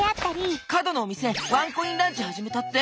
角のお店ワンコインランチ始めたって。